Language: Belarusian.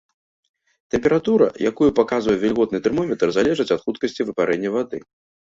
Тэмпература, якую паказвае вільготны тэрмометр, залежыць ад хуткасці выпарэння вады.